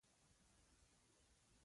طرح ورکړه.